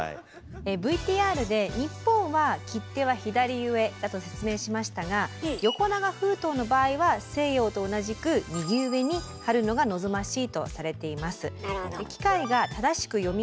ＶＴＲで日本は切手は左上だと説明しましたが横長封筒の場合は西洋と同じく右上に貼るのが望ましいとされています。